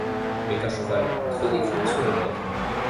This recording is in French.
Mais qu'un cheval ait trop d'écume sur le mors